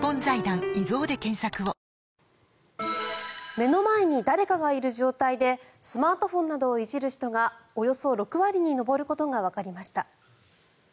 目の前に誰かがいる状態でスマートフォンなどをいじる人がおよそ６割に上ることがわかりました。